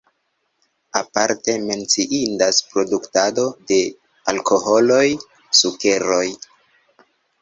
Aparte menciindas produktado de alkoholoj, sukeroj.